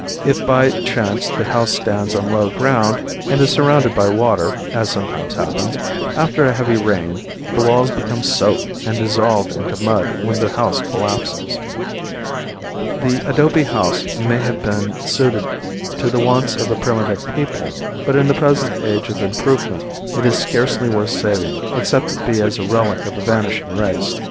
If by chance the house stands on low ground and is surrounded by water, as sometimes happens, after a heavy rain the walls become soaked and dissolved into mud when the house collapses. The adobe house may have been suited to the wants of a primitive people, but in the present age of improvement, it is scarcely worth saving except it be as a relic of a vanishing race.